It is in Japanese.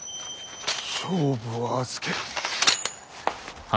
勝負は預ける。